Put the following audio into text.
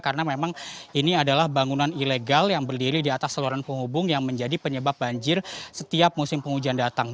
karena memang ini adalah bangunan ilegal yang berdiri di atas seluruh penghubung yang menjadi penyebab banjir setiap musim penghujan datang